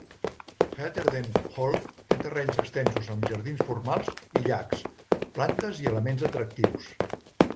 Heatherden Hall té terrenys extensos amb jardins formals i llacs, plantes i elements atractius.